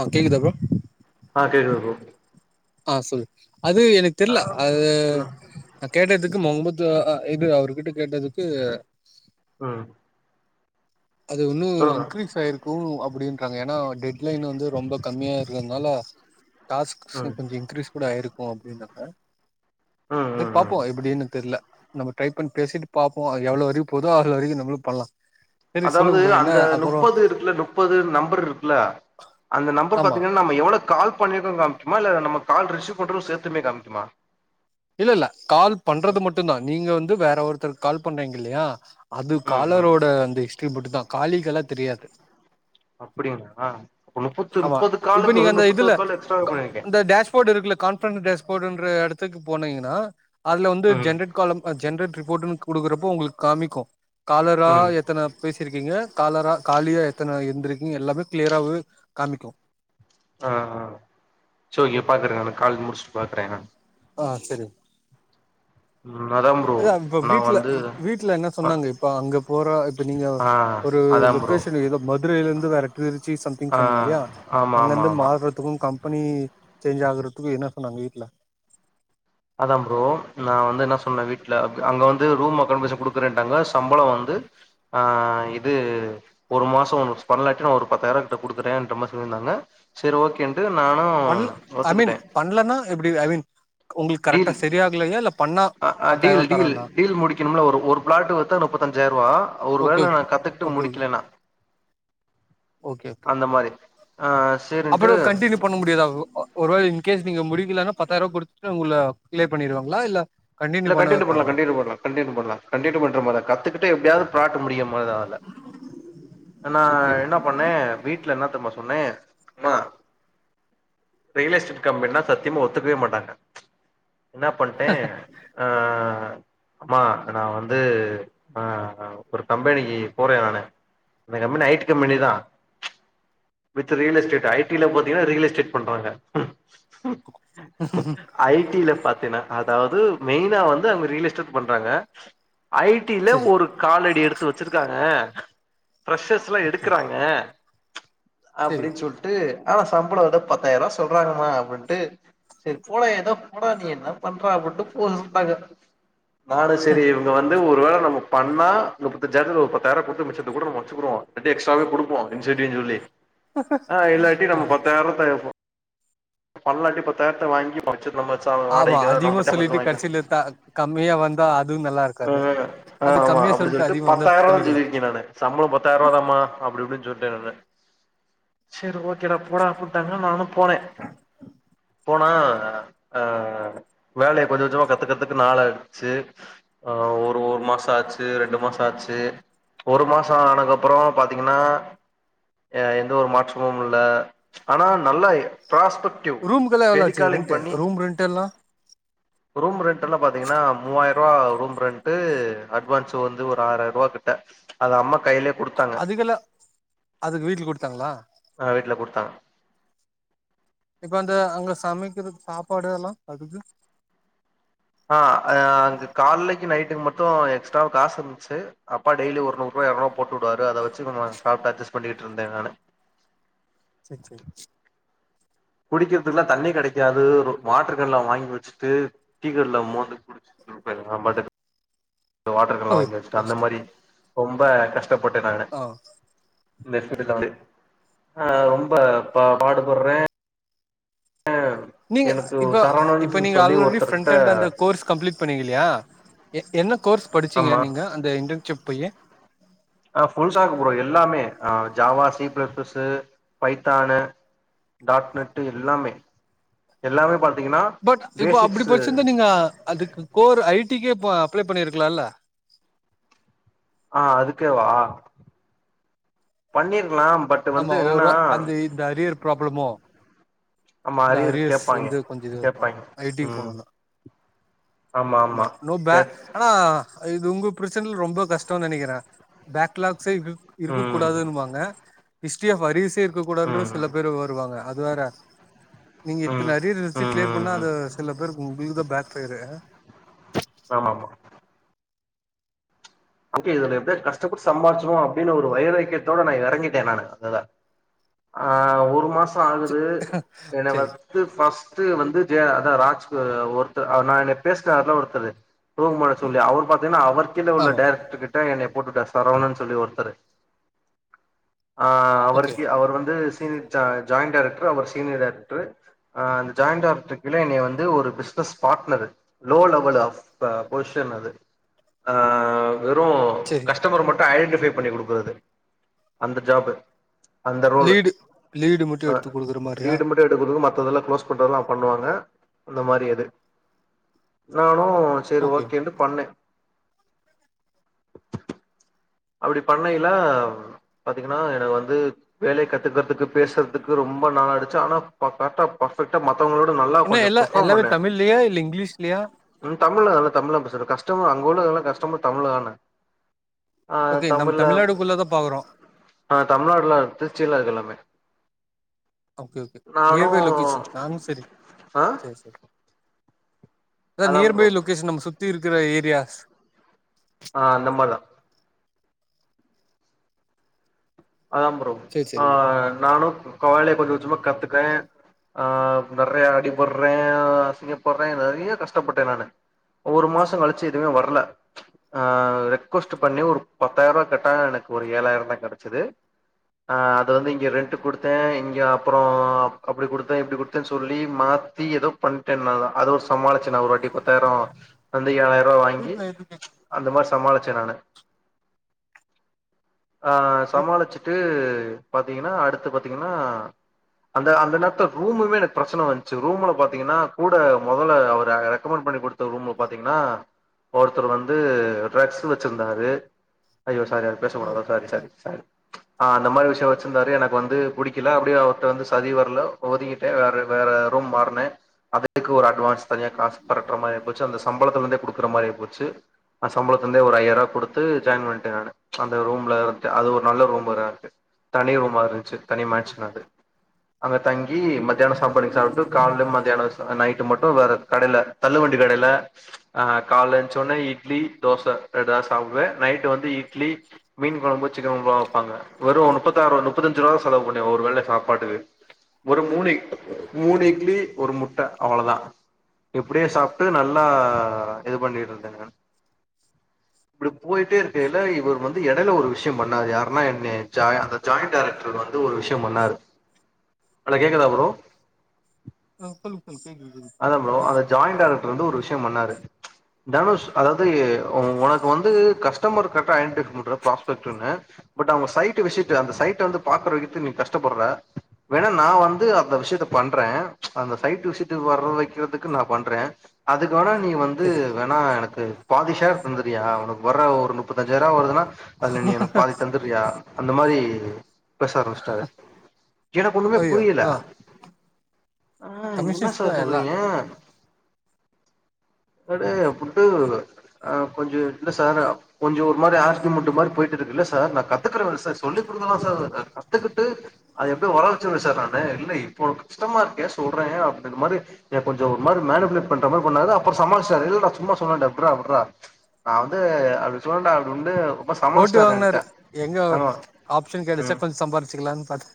ஆ கேக்குதா ப்ரோ ஆ கேக்குது ப்ரோ ஆ சொல்லு அது எனக்கு தெர்ல அது ம் நான் கேட்டதுக்கு முகமது அ இது அவர்கிட்ட கேட்டதுக்கு அ அது ஒன்னும் இன்க்ரிஸ் ஆயிருக்கும் அப்பிடின்றாங்க ஏன்னா டெட் லைன் வந்து ரொம்ப கம்மியா இருக்கறதுனால டாஸ்க் ம் கொஞ்சம் இன்க்ரீஸ் கூட ஆயிருக்கும் அப்பிடின்றாங்க ம் செரி ம் ம் பாப்போம் எப்பிடினு தெர்ல நம்ம ட்ரை பண்ண பேசிட்டு பாப்போம் எவ்ளோ வரைக்கும் போதோ அதுவரைக்கும் நம்மளும் பண்லாம் அதாவது அந்த நுப்பது இருக்குல நுப்பது நம்பர் இருக்குல அந்த நம்பர் ஆமா பாத்தீங்கன்னா நம் இப்ப எவ்ளோ கால் பண்ணிருகறது காமிக்குமா இல்ல நம்ம கால் ரிசீவ் பட்டன் சேத்துமே காமிக்குமா இல்ல இல்ல கால் பண்றது மட்டும் தான் நீங்க வந்து வேற ஒருத்தருக்கு கால் பண்றீங்க இல்லையா அது ம் ம் காலரோட அந்த ஹிஸ்டரி மட்டு தான் காலிகல்லா தெரியாது அப்பிடிங்களா ஒரு முப்பத்து ஆமா முப்பது இப்ப காலுக்கு முப்பத்தொரு கால் எக்ஸ்ட்ராவ பண்ணியிருக்கே கோட் இருக்கு கான்பன்ஸ் டெஸ்ப்ட்ன்ற எடத்துக்கு போனீங்கன்னா அதுல வந்து ம் ஜென்ரட் காலம் அ ஜென்ரட் இ போட்டுன்னு குடுக்கறப்போ உங்களுக்கு காமிக்கும் காலரா ம் எத்தன பேசிருக்கீங்க காலரா காலியா எத்தனை எந்திருக்கீங்க எல்லாமே கிளியராவே காமிக்கு ஆ சோ ஒங்க பாக்குறேன் நான் காலு முடிச்சுட்டு பாக்குறேன் நான் ஆ செரி நலம் ஏ இப்ப வீட்ல வீட்ல என்ன சொன்னாங்க இப்ப அங்க போற இப்ப நீங்க ஆ ஒரு அதா ப்ரோ லொகேஷன் ஏதோ மதுரையில இருந்து வேற திருச்சி சம்திங் ஆ சொன்னீங்க இல்லையா ஆமா ஆமா அங்கிருந்து ஆமா மாறத் த்து கம்பெனி சேஞ்ச் ஆகுறதுக்கும் என்ன சொன்னாங்க வீட்ல அதா ப்ரோ நா வந்து என்ன சொன்னேன் வீட்ல அங்க வந்து ரூம் அக்கானபசன் குடுக்கறேன்ட்டாங்க சம்பளம் வந்து ஆ இது ஒரு மாசம் ஒ பண்ணலாட்டி நா ஒரு பத்தாயிரம் கிட்ட குடுத்துத்தேன்ற மாரி சொல்லிருந்தாங்க சேரி ஓகேன்ட்டு நானும் ஒத்துக்கிட்டே இல்லனா எப்பிடி வேவின் உங்களுக்கு கரெக்டா டீல் சரியாகலையா இல்ல பண்ணா அ ஆ டீல் பத்தாயிரூவா டீல் தரானா டீல் முடிக்கணும்னு ஒரு பிளாட் வித்தா முப்பத்தஞ்சாயிரம் ரூவா ஒரு ஓகே வேலை ஓகே நா கத்து ட்டு ஓகே ஓகே முடிக்கலனா ஓகே ஓகே அந்த மாறி ஆ சரின்ட்டு புக் பண்ண முடியதா ஒ ஒ ஒரு வேல இன்கேஸ் நீங்க முடிக்கலன்னா பத்தாயிர்வா குடுத்துட்டு உங்கள கிளே பண்ணிருவாங்ளா இல்ல கண்டினியூ இல்ல பண்ண கன்டினு பண்லா வைப்பாங்களா கன்டினு பண்லா கண்டினு பண்லா கன்டின்டு பண்ற மாதா கத்துகிட்டு எப்டியாவ் பாக்க முடியும் மொத ஆள நா சரி என்ன பண்ணே வீட்ல என்ன தெரிமா சொன்னே மா ரியல் எஸ்டேட் கம்பெனினா சத்தியமா ஒத்துக்கவே மாட்டாங்க என்ன பண்ட்டே ஆ அம்மா நா வந்து ஆ ஒரு கம்பெனிக்கு போறே நானு இந்த கம்பெனி ஐ டி கம்பெனி தா with real estate I T ல பாத்தீங்னா ரியல் எஸ்டேட் பண்றாங்க ஐ டி ல பாத்தேனா அதாவது மெயினா வந்து அவுங்க ரியல் எஸ்டேட் பண்றாங்க ஐ டி ல சரி சரி ஒரு காலடி எடுத்து வச்சிருக்காங்க ஃபிரஷ்ஸர்ஸ்லா ஓகே எடுக்கறாங்க சரி அப்டின் சொல்ட்டு ஆனா சம்பளோ வந்து பத்தாயிர்வா சொல்றாங்மா அப்டின்ட்டு சரி போடா ஏதோ போடா நீ என்ன பண்ற அப்டிட்டு போ சொல்ட்டாங்க நானு செரி இவுங்க வ ந்து ஒரு வேல நம்ம பண்ணா முப்பத்தஞ்சாயிரத்துல ஒரு பத்தாயர்வா குடுத்து மிச்சத்த கூட நம்ம வச்சுக்கிருவோ ட்டு எக்ஸ்ட்ராவே குடுப்போ ன் செரின் சொல்லி ஆ இல்லாட்டி ஆ நம்ம பத்தாயர் வா தா கேப்போ பண்லாட்டி பத்தாயிரத்த வாங்கி ச்சர்ற மச்சா அவ ஆமா வாடகைக்குத அதிகமா நம சொல்லிட்டு [unintelligible] கடைசில த கம்மியா வந்தா அதுவு நல்லா அ இருக்காது ஆ அது ஆமா கம்மியா அப்டி சொல்லிட்டு சொல்ட்டு அதிகமா வந்தா பத்தாயர்வா தா சொல்லிக்கலா சொல்லிருக்கே நானு சம்பளோ பத்தாயிர்வா தாமா அப்டி இப்டி சொல்ட்டே நானு சரி ஓக்கேடா போடா அப்புன்ட்டாங்க நானு போனே போனா அ வேலைய கொஞ்ச கொஞ்சமா கத்துக்கறதுக்கு நாள எடுத்ச்சு ஆ ஒரு ஒரு மாச ஆச்சு ரெண்டு மாச ஆச்சு ஒரு மாசஆனக்கப்பறோ பாத்தீங்கன்னா எ எந்த ஒரு மாற்றமும் இல்ல ஆனா நல்ல பராஸ்பெக்ட் ரூம்க்கெல்லா எவ்ளாச்சு ரெண்ட்டு ரூம் ரெண்ட்டு எல்லா ரூம் ரெண்ட்டலா பாத்தீங்கன்னா மூவாயிர்வா ரூம் ரெண்ட்டு அட்வான்ஸ்ஸு வந்து ஒரு ஆறாயர்வா கிட்ட அது அம்மா கைலேயே அதுக்கெல்லா அதுக்கு வீட்ல குடுத்தாங்ளா ஆ வீட்ல குடுத்தாங்க இப்ப அந்த அங்க சமைக்கிறது சாப்பாடு அதெல்லா அதுக்கு ஆ அ அங்க கால்லக்கு நைட்டுக்கு மட்டு எக்ஸ்ட்ராவா காசு இருந்துச்சு அப்பா டெய்லி ஒரு நூற்வா எற்நூற்வா போட்டுடுவாரு அத வச்சு நம்ம சாப்ட்டு அச்சஸ் பண்ணிட்ருந்தே நானு சே சே குடிக்கிறதுக்லா தண்ணி கெடைக்காது ரு வாட்டர் கேன்ல வாங்கி வச்சுட்டு டீ கடைல மோந்து குடுச் இருப்பே நா பாட்டு வாட்டர் கேன்ல ம் வாங்கி வச்சுட்டு அந்த கஷ்டோ மாரி ரொம்ப கஷ்டப்பட்ட நானு ஆ இந்த ஃபீல்டுல வந்து ஆ ரொம்ப பா பாடுபட்றே ஆ நீங்க எனக்கு ஒ இப்ப இப்ப சரவணன்ஸ்ன் நீங்க சொல்லி ஆல்ரெடி ஒருத்தர் கிட்ட ஃப்ரண்ட் அண்ட் அந்த கோர்ஸ் கம்ப்ளீட் பண்ணீங்ல்லயா எ என்ன கோர்ஸ் படிச்சீங்க ஆமா நீங்க அந்த இன்டன்ஷிப் போயி ஆ ஃபுல்சா குப்டுவோ எல்லாமே Java C C plus Python dot net எல்லாமே எல்லாமே பாத்தீங்ன்னா பட் இப்போ அப்டி பட்ச்சிருந்தா நீங்க அதுக்கு கோர் ஐ டி க்கே அப்ளே பண்ணிருக்லால்ல ஆ அதுக்கே வா பண்ணிருக்கலா பட் வந்து ஆமா என்னன்னா ஒரு அந்த இந்த அரியர் ப்ராப்ளமோ ஆமா இந்த அரியர் அரியர்ஸ் கேப்பாய்ங்க வந்து கொஞ்ச இதுவா இருக்கு கேப்பாய்ங்க ஐ டி க்கு ம் போனுனா ஆமா நோ பே ஆனா இது உங்க பிரச்சனல ரொம்ப கஷ்டோ நெனகிறே பேக்லாக்ஸே இருக் இருக்க ம் கூடாதுனுவாங்க ஹிஸ்டரி ஆஃப் அரியர்சே இருக்க கூடான்ற ம் சில பேரு வருவாங்க அது வேற நீங்க ம் ம் இத்தன அரியர் வெச்சிட் ம் கிளியர் பண்ணா ம் அது சில பேருக்கு உ உங்ளுகுதா பேக் ஃபேரு ஆமா ஆமா அப்டியே இதுல எப்டியாச்சி கஷ்டப்பட்டு சம்பாரிச்சிணு அப்டினு ஒரு வைராக்கியத்தோட நா எறங்கிட்டே நானு அதுல ஆ ஒரு மாசோ ஆகுது எனை சரி வத் து ஃபஸ்ட்டு வந்து ஜே அதா ராஜ் ஒருத்த அ நானு எப் பேச்னார்ல ஒருத்தரு தூங்மானச் சொல்லி அவுரு பாத்தீங்னா அவர் கீழ உள்ள ஆமா டைரக்டர் கிட்ட எனையப் போட்டு வுட்டார் சரவணன் சொல்லி ஒருத்தரு ஆ ஓகே அவருக்கீ அவரு வந்து சீனியர் ஜா ஜாயிண்ட் டைரக்ட்ரு அவரு சீனியர் டைரக்ட்ரு ஆ அந்த ஜாயிண்ட் டைரக்ட்ரு கீழ எனைய வந்து ஒரு business partner low level of பா பொசிஷன் அது ஆ வெறு சேரி கஸ்டமர் மட்டு ஐடென்டிஃபை பண்ணி குடுக்கறது அந்த ஜாபு அந்த ரோலு லீடு லீடு மட்டும் ஆ எடுத்து குடுக்குற மாரியா ரீடு மட் டு எடுகுறது மத்ததெல்லா க்ளோஸ் பண்றதுலாப் அவுப் பண்ணுவாங்க அந்த மாரி அது நானு செரி ஓகே ஓகேன்ட்டு பண்ணே அப்டி பண்ணையில பாத்தீங்கினா எனக்கு வந்து வேலய கத்துக்கறதுக்கு பேசறதுக்கு ரொம்ப நல்லாயிடுச்சு ஆனாக் பா கர்ட்டாப் ஃபர்பெக்டா மத்தவங்களோட நல்லா என்ன கொஞ்சோ எல்லா பர்ஃபார்ம் எல்லாமே பண்ணே தமிழ்லயா இல்ல இங்கிலீஷ்லயா ம் தமிழ்லா எல்லாத் தமிழ்லாம் பேசற கஸ்டம அங்க உள்ள எல்லா கஸ்டமர் தமிழ்ல தானே ஆ ஓகே நம் தமிழ்நாடு குள்ளதாப் பாகுறோ ஆ தமிழ்நாட்ல திருச்சில இருகு எல்லாமே ஓகே ஓகே நானு நியர் பை லொக்கேஷன் நானு செரி ஆ சேர் சே அதா நியர் பை லொக்கேஷன் நம்ம சுத்தி இருக்குற ஏரியாஸ் ஆ அந்தம்மார்தா அதா ப்ரோ சரி ஆ சரி நானு கோவாலைய கொஞ்சோ கொஞ்சமா கத்துக்கே ஆ நெறைய அடிபட்றே அசிங்கப்பர்றே நெறைய கஷ்டப்பட்டே நானு ஒரு மாசோ கழிச்சு எதுவுமே வர்ல ஆ ரெக்வொஸ்ட்டு பண்ணி ஒருப் பத்தாயிரவா கேட்டா எனக்கு ஒரு ஏழாயிரந்தா கெடச்சது ஆ அத வந்து இங்க ரெண்டு்க் குடுத்தே இங்கே அப்றோ அப் அப்டி குடுத்தே இப்டி குடுத்தேன் சொல்லி மாத்தி எதோப் பண்ட்டே நல்லா அது ஒரு சமாளிச்சே நா ஒருவாட்டிப் பத்தாயிரோ வந்து ஏழாயிர்வா வாங்கி வீட்டுல எது கேக்குது அந்த சம்பளம் மார் சமாளிச்சே நானு ஆ வீட்டுல சமாளிச்சுட்டு பாத்தீங்கினா அடுத்து பாத்தீங்கினா அந்த அந்த நேரத்ல ரூமுமே எனக் பிரச்சன வந்ச்சு ரூமுல பாத்தீங்கின்னா கூட மொதல அவர ரெக்கமெண்ட் பண்ணி குடுத் த்த ரூம்ல பாத்திங்னா ஒருத்தர் வந்து டிரக்ஸு வெச்சிருந்தாரு ஐயோ சாரி அது பேச ஓ கூடாதா சாரி சாரி அதான். சாரி ஆ அந்த மாரி விஷ்யோ வெச்சிர்ந்தாரு எனக்கு வந்து புடிக்கில அப்டியே அவுர்ட்ட வந்து சதி வர்ல ஒதுங்கிட் டே வேற வேற ரூம் மார்னே அதுக்கு ஒரு அட்வான்ஸ் தனியா காச் பெரட்ற மாரி ஆய்போச்சு அந்த சம்பளத்துலந்தே குடுக்கற மாரி ஆய்போச்சு அ சம்பளத்லந்தே ஒரு ஐய்யார்வா குடுத்து ஜாயின் பண்ட்டே நானு அந்த ரூம்ல வந்ட்டு அது ஒரு நல்ல ரூம்பரா இருக்கு தனி ரூமா இருன்ச்சு தனி மேட்ச்சு நாத்ரி அங்க தங்கி மத்யானோ சாப்பாடு சாப்ட்டு கால்ல மத்யானோ சா நைட்டு மட்டு வேறக் கடைல தள்ளு வண்டி கடைய்ல ஆ கால்ல எஞ்ச்ச ஒனே இட்லி தோச ஏதா சாப்டுவே நைட்டு வந்து இட்லி மீன் கொழம்பு சிக்கன் கொழம்புலா வெப்பாங்க வெரு நுப்பத்தாருப நுப்பத்தஞ்ருவா செலவு பண்ணி ஒரு வேல சாப்பாட்டுக்கு ஒரு மூணு இ மூணு இட்லி ஒரு முட்ட அவ்ளதா எப்டியோ சாப் ட்டு நல்லா இது பண்ணிருந்துங்க இப்டி போயிட்டே இருக்கையில இவுரு வந்து எடையில ஒரு விஷ் யோ பண்ணாரு யருன்னா என்ய ஜாய அந்த ஜாயிண்ட் டெராக்ரு வந்து ஒரு விஷ்யோ பண்ணாரு அலோ கேக்குதா ப்ரோ ஆ சொல்லுங் சொல்லுங் கேக்குது கேக்குது. அதாம்ப்ரோ என்ன அந்த பண்ணிட்டாரு ஜாயிண்ட் டைரக்ட்ரு வந்து ஒரு விஷ்யோ பண்ணாரு தனுஷ் அதாவ்து உனக்கு வந்து கஸ்டமர் கரெக்டா ஐடெடிஃபை பண்ற ப்ராஸ்பெக்ட் ஒன்னு பட் அவுங்க சைட் விச்சிட்டு அந்த சைட்டவந்து பாக்குற வித்து நீங் கஷ்டப்பட்ற வேணா நா வந்து அந்த விஷ்யத்த பண்றே அந்த சைட்டு விசி டு வர வெக்கிற்துக்கு நா பண்றே அதுக்கு வேணா நீ வந்து சரி வேணா எனக்கு பாதி ஷேர் தந்தறியா உனுக்கு வர ஒரு நுப்பத்தஞ்சாய்ருபா வர்துனா அதுல நீ எனுக்கு பாதி தந்து ரியா அந்த மாரி பேச ஆரம்பிச்ட்டாரு எனுக்கு ஒண்ணுமே ஐயோ புரில ஆ ஆ என்ன கமிஷன்ஸ் சார் தான் எல்லாம் சொல்றீங்க அடே புட்டு ஆ கொஞ்சோ இல்ல சார் கொஞ்சோ ஒரு மாரி ஆஸ்தி முண்டு மாரி போயிட்ருக்கு இல்ல சார் நா கத்துக்குறே இல்ல சார் சொல்லி குடுங்கலே சார் கத் கத்துக்கிட்டு அது எப்டியோ வர வெச்சுருவே சார் நானு இல்ல இப்போ கஷ்டமா இருக்கே சொல்றே அப் டின்ற மாரி எ கொஞ்சோ ஒரு மாரி மேனுப்ளேட் பண்ற மாரி பண்ணாரு அப்ற சமாளிச்சிடாரு இல்லல்டா சும்மா சொன்னடா விட்ரா விட்ரா நாவந்து அப்டி சொன்னன்டா அப்டி உன்டு போட்டு வாங்னாரு எங்க ஆப்ஷன் கெடச்சா ம் கொஞ்ச சம்பாரிச்சுக்லான் பாத்து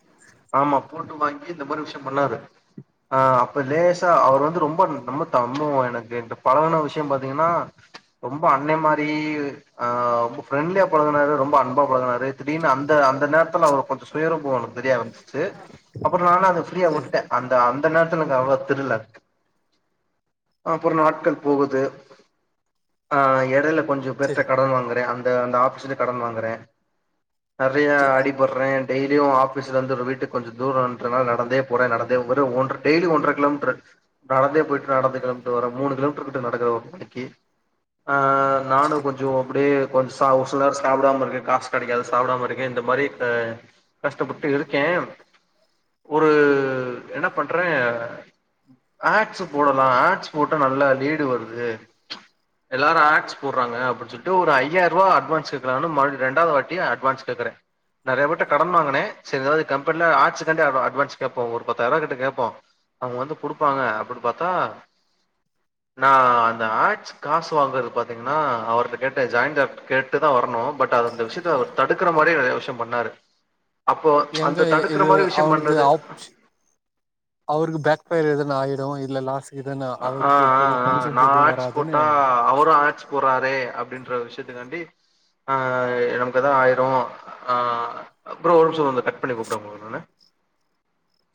ஆமா போட்டு வாங்கி இந்த மாரி விஷ்யோ பண்ணாரு ஆ அப்ப லேசா அவர் வந்து ரொம்போ ரொம்போ தம்மோ எனக்கு இந்த பலகன விஷ்யோ பாத்தீங்னா ரொம்போ அண்ணே மாரி ஆ ரொம்போ ப்ரெண்ட்லியா பழகுனாரு ரொம்போ அன்பா பழகுனாரு திடீனு அந்த அந்த நேரத்துல அவுரு கொஞ்சோ சுயரூபோ எனுக்கு தெரிய ஆரம்பிச்சிச்சு அப்றோ நானு அத ஃப்ரீயா செரி உட்டே அந்த அந்த நேரத்துல எனுக் அவ்ரா தெரில அப்றோ நாட்கள் போகுது ஆ எடைல கொஞ்ச பேர்ட்ட செரி கடன் வாங்கறே அந்த அந்த ஆப்ஸ்லே கடன் வாங்குறே நறையா செரி அடிப் பட்றே டெய்லியோ ஆபிஸ்லந்து வீட் டுக்கு கொஞ்ச தூரோன்றதால நடந்தே போறே நடந்தே ஒரு ஒன்ற டெய்லி ஒன்ற கிலோமீட்ரு நடந்தே போயிட்டு நடந்தே கிலோ மீட்ரு வரே மூணு கிலோ மீட்ரு கிட்ட நடக்கிறே ஒரு நாளைக்கி ஆ நானு செரி கொஞ்சோ அப்டியே கொஞ் சா ஒர் சில் நேரோ சாப்டாம இருக்கே காஸ் கெடைக்காது சாப்டாம இருக்கே இந்த மாரி க கஷ்டப்பட்டு இருக்கே ஒரு என்ன பண்றே ஏக்ஸு போடலா ஏக்ஸ் போட்டா நல்லா லீடு வருது எல்லாரு ஏக்ஸ் போட்றாங்க அப்டின் சொல்ட்டு ஒரு ஐயாயிருவா அட்வான்ஸ் கேக்லான் மறுபடி ரெண்டாவ்து வாட்டி யு அட்வான்ஸ் கேக்ற நெறைய பேர் கிட்ட கடன் வாங்கன சரி எதாவ்து கம்பெனில ஆட்ஸ்க்காண்டி அ அட்வான்ஸ் கேப்போ ஒரு பத்தாயிருவா கிட்ட கேப்போ அவுங்க வந்து குடுப்பாங்க அப்டின் பாத்தா நா அந்த ஆக்ஸ் காசு வாங்கறது பாத்தீங்ன்னா அவர்ட்ட கேட்டே ஜாய்ண்டாப் கேட்டு தா வர்ணு பட் அது அந்த விஷயத் த அவர் தடுக்குற மாரியே நெறைய விஷ்யம் பண்ணாரு அப்போ அந் எங்க இது அவனுக்கு அவருக்கு பேக் ஃபயர் எதுன்னா ஆயிடும் இல்ல லாஸ் எதனா ஆ ஆ அவருக்கு பெரிய கமிஷன்ஸ் எது வராதுன்னு அவரோ ஆட்ஸ் போறாரே அப்டின்ற ஒரு விஷயத்துக்காண்டி அ நமக்கு எதா ஆயிரும் அப்புறம் ஒரு நிமிஷம் இதோ வந்து கட் பண்ணி கூப்புறேன் உங்களுக்கு நானு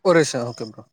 ஒரு ஷோ ஓகே ப்ரோ